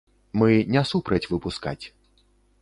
Мы не супраць выпускаць.